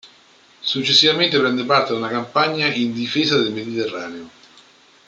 Successivamente prende parte ad una campagna in difesa del Mediterraneo.